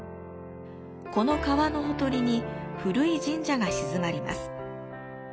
この川のほとりに古い神社が鎮まります。